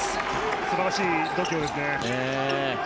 素晴らしい度胸ですね。